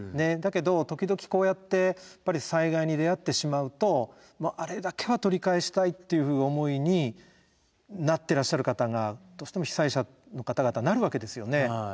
だけど時々こうやってやっぱり災害に出会ってしまうとあれだけは取り返したいっていう思いになってらっしゃる方がどうしても被災者の方々なるわけですよね。